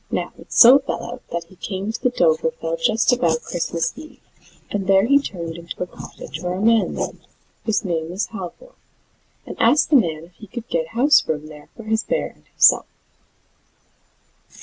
Now, it so fell out, that he came to the Dovrefell just about Christmas Eve, and there he turned into a cottage where a man lived, whose name was Halvor, and asked the man if he could get house room there for his bear and himself.